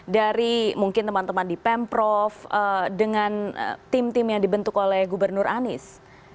dari mungkin teman teman di pemprov dengan tim tim yang dibentuk oleh gubernur anies